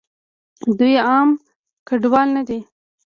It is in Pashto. دوئ عام کډوال نه دي.